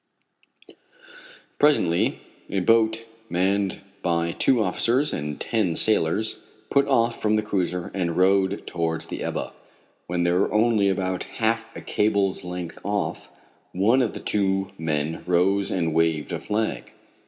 Presently a boat, manned by two officers and ten sailors, put off from the cruiser and rowed towards the Ebba. When they were only about half a cable's length off, one of the men rose and waved a flag.